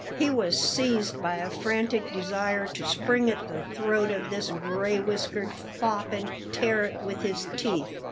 He was seized by a frantic desire to spring at the throat of this gray whiskered fop and tear it with his teeth.